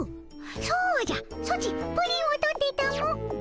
そうじゃソチプリンを取ってたも。